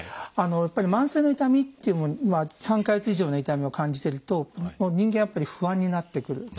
やっぱり慢性の痛みっていうもの３か月以上の痛みを感じてると人間やっぱり不安になってくる。